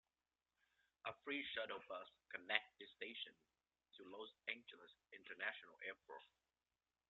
A free shuttle bus connects this station to Los Angeles International Airport.